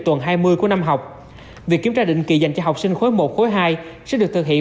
tuần hai mươi của năm học việc kiểm tra định kỳ dành cho học sinh khối một khối hai sẽ được thực hiện